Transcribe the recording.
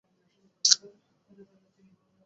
অতি দ্রুত রাগ চলেও যায়।